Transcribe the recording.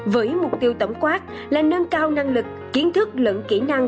với mục tiêu tổng quát là nâng cao năng lực kiến thức lẫn kỹ năng